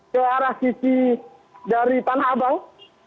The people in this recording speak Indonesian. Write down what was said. ke arah sisi dari tanah abang